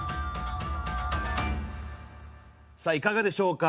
さあいかがでしょうか。